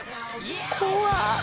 怖っ。